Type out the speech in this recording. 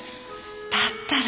だったら